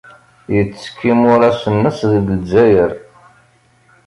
Yettekk imuras-nnes deg Lezzayer.